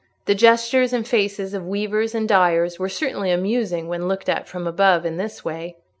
The gestures and faces of weavers and dyers were certainly amusing when looked at from above in this way.